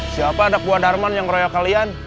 siapa anak buah darman yang ngeroyok kalian